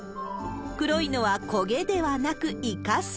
黒いのは焦げではなく、イカ墨。